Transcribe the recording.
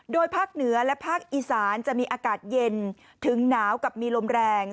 โดยภาคเหนือและภาคอีสานจะมีอากาศเย็นถึงหนาวกับมีลมแรง